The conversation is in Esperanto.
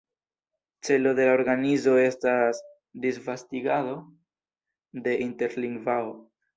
Celo de la organizo estas disvastigado de interlingvao.